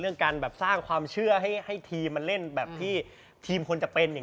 เรื่องการสร้างความเชื่อให้ทีมเล่นแบบที่ทีมคนจะเป็น